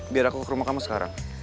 biar aku ke rumah kamu sekarang